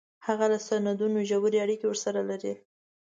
هغه له سندونو ژورې اړیکې ورسره لري